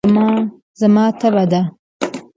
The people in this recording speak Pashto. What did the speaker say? زما تبه ده.